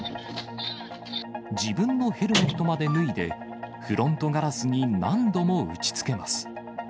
自分のヘルメットまで脱いで、フロントガラスに何度も打ちつけます。